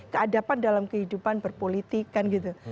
keadapan dalam kehidupan berpolitik kan gitu